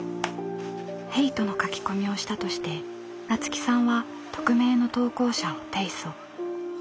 ヘイトの書き込みをしたとして菜津紀さんは匿名の投稿者を提訴。